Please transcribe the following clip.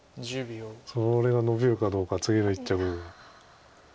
それがのびるかどうか次の一着。